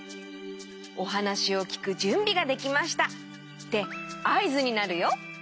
おはなしをきくじゅんびができましたってあいずになるよ。